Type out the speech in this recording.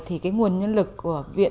thì cái nguồn nhân lực của viện